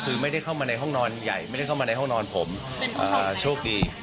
คือไม่ได้เข้ามาในห้องนอนใหญ่ไม่ได้เข้ามาในห้องนอนผมโชคดี